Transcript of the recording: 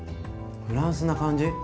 フランスな感じ